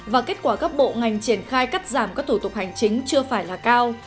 và kết quả các bộ ngành triển khai cắt giảm các thủ tục hành chính chưa phải là cao